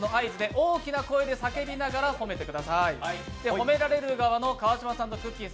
褒められる側の川島さんとくっきー！